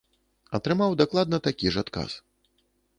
Атрымаў дакладна такі ж адказ.